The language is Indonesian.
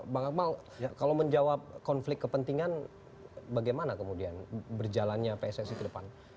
bang akmal kalau menjawab konflik kepentingan bagaimana kemudian berjalannya pssi ke depan